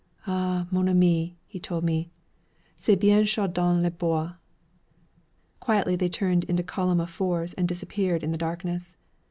'Ah, mon ami,' he told me, 'c'est bien chaud dans le bois.' Quietly they turned into column of fours and disappeared in the darkness.